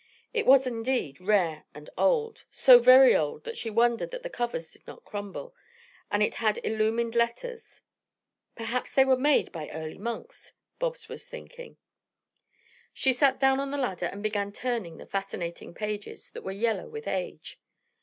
It was indeed rare and old, so very old that she wondered that the covers did not crumble, and it had illumined letters. "Perhaps they were made by early monks," Bobs was thinking. She sat down on the ladder and began turning the fascinating pages that were yellow with age.